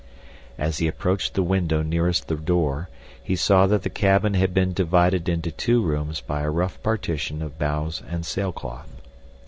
As he approached the window nearest the door he saw that the cabin had been divided into two rooms by a rough partition of boughs and sailcloth.